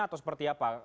atau seperti apa